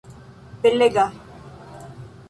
belega